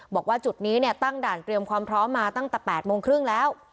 บอกว่าจุดนี้เนี่ยตั้งด่านเตรียมความพร้อมมาตั้งแต่๘โมงครึ่งแล้ว